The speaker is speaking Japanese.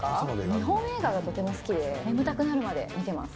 日本映画がとても好きで、眠たくなるまで見てます。